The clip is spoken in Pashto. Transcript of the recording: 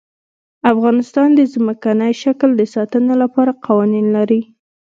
افغانستان د ځمکنی شکل د ساتنې لپاره قوانین لري.